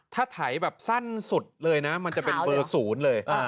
ถ้าไถแบบสั้นสุดเลยนะมันจะเป็นเบอร์๐เลย